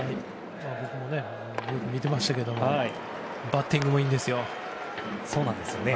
僕もよく見てましたけどバッティングもいいんですよ。